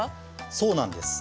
そうなんです。